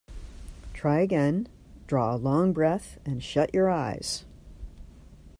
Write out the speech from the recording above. Try again: draw a long breath, and shut your eyes.